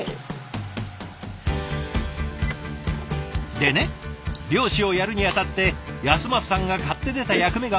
でね漁師をやるにあたって尉晶さんが買って出た役目がもう一つ。